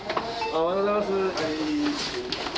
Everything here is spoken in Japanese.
おはようございます。